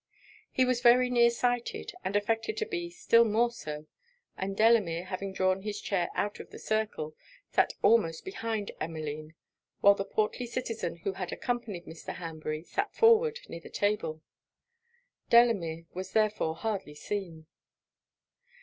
He was very near sighted, and affected to be still more so; and Delamere having drawn his chair out of the circle, sat almost behind Emmeline; while the portly citizen who had accompanied Mr. Hanbury sat forward, near the table; Delamere was therefore hardly seen.